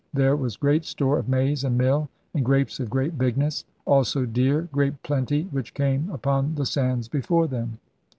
There was 'great store of maize and mill, and grapes of great bigness. Also deer great plenty, which came upon the sands before them.